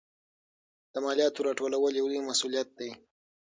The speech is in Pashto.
د مالیاتو راټولول یو لوی مسوولیت دی.